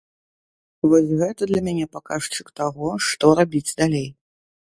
Вось гэта для мяне паказчык таго, што рабіць далей.